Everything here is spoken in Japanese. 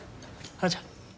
花ちゃん。